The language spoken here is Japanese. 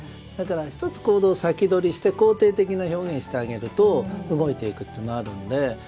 だから１つ行動を先取りして肯定的な表現をしてあげると動いていくというのはあるので。